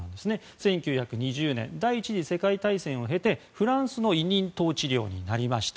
１９２０年第１次世界大戦を経てフランスの委任統治領になりました。